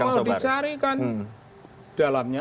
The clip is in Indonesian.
semua dicari kan dalamnya